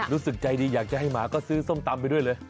รู้สึกใจดีอยากจะให้หมาก็ซื้อส้มตำไปด้วยเลย